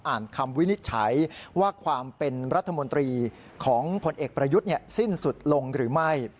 อ่านคำวินิจฉัยว่าความเป็นรัฐมนตรีของผลเอกประยุทธ์สิ้นสุดลงหรือไม่